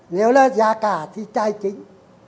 nếu là giá cả thì tài chính